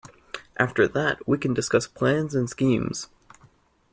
After that we can discuss plans and schemes.